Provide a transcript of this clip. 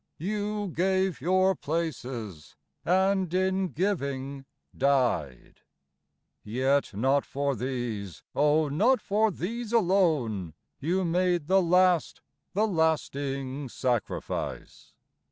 You gave your places, and in giving died ! Yet not for these, oh, not for these alone. You made the last, the lasting sacrifice